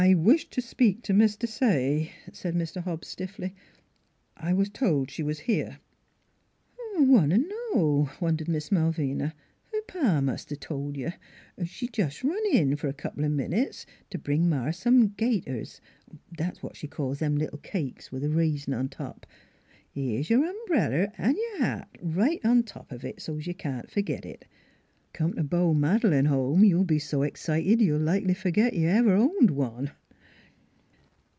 11 1 er wish to speak to Miss Desaye," said Mr. Hobbs stiffly. " I was told she was here." 11 1 want t' know! " wondered Miss Malvina; " her pa must 'a' told you. She run in jes' f'r a minute t' bring Ma some gaiters that's what she calls them little cakes with a raisin on top. ... Here's your ombrel' an' your hat right on top of it, so's you can't forgit it. ... Come t' beau Mad'lane home you'll be s' excited you'll likely forgit you ever owned one."